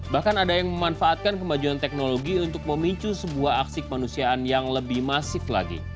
bahkan ada yang memanfaatkan kemajuan teknologi untuk memicu sebuah aksi kemanusiaan yang lebih masif lagi